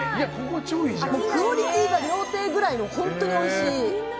クオリティーが料亭くらいの本当においしい。